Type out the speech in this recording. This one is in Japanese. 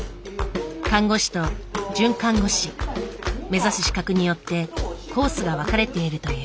看護師と准看護師目指す資格によってコースが分かれているという。